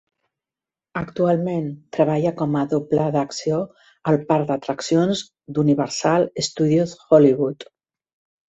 Actualment, treballa com a doble d'acció al parc d'atraccions d'Universal Studios Hollywood.